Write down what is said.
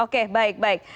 oke baik baik